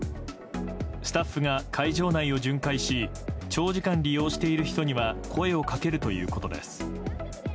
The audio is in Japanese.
スタッフが会場内を巡回し長時間利用している人には声をかけるということです。